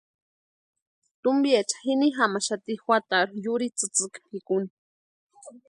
Tumpiecha jini jamaxati juatarhu yurhi tsïtsïki pʼikuni.